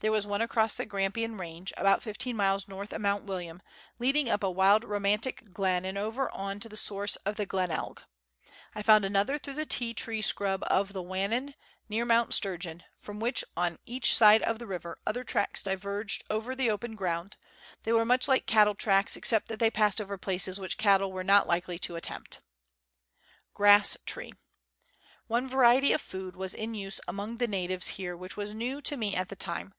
There was one across the Grampian Range, about 15 miles north of Mount William, leading up a wild romantic glen, and over onto the source of the Glenelg. I found another through the tea tree scrub of the Wannon, near Mount Sturgeon, from which, on each side of the river, other tracks diverged over the open ground ; they were much like cattle tracks, except that they passed over places which cattle were not likely to attempt. Grass tree. One variety of food was in use among the natives here which was new to me at the time.